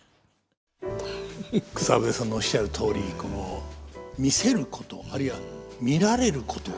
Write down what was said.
草笛さんのおっしゃるとおり「見せること」あるいは「見られること」。